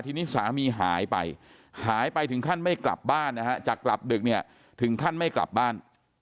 ทีนี้สามีหายไปหายไปถึงขั้นไม่กลับบ้านนะฮะจากกลับดึกเนี่ยถึงขั้นไม่กลับบ้าน